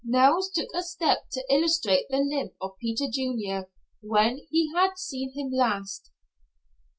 Nels took a step to illustrate the limp of Peter Junior when he had seen him last.